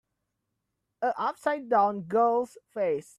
A upside down girl 's face.